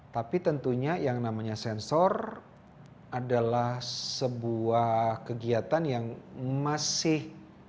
tapi tentunya yang namanya sensor adalah sebuah kegiatan yang masih